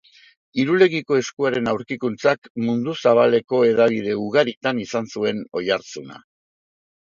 Irulegiko Eskuaren aurkikuntzak mundu zabaleko hedabide ugaritan izan zuen oihartzuna